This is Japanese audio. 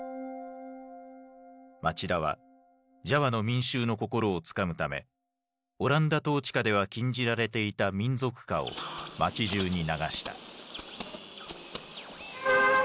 町田はジャワの民衆の心をつかむためオランダ統治下では禁じられていた民族歌を街じゅうに流した。